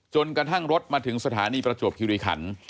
กระทั่งรถมาถึงสถานีประจวบคิริขัน